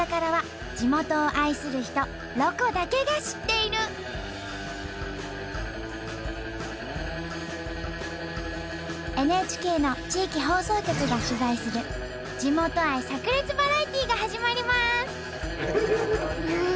それはＮＨＫの地域放送局が取材する地元愛さく裂バラエティーが始まります！